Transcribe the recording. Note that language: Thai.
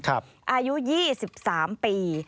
อายุ๒๓ปี